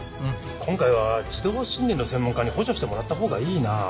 今回は児童心理の専門家に補助してもらったほうがいいな。